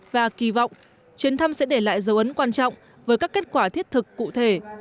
và kỳ vọng chuyến thăm sẽ để lại dấu ấn quan trọng với các kết quả thiết thực cụ thể